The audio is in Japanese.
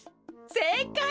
せいかい！